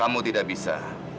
kamu tidak bisa